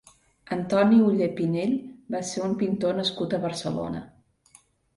Antoni Ollé Pinell va ser un pintor nascut a Barcelona.